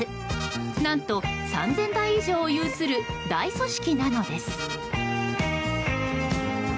何と３０００台以上を有する大組織なのです。